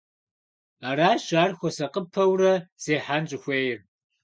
Аращ ар хуэсакъыпэурэ зехьэн щӏыхуейр.